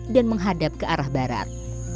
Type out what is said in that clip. dan menghadap ke arah barat